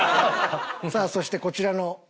さあそしてこちらのペアは？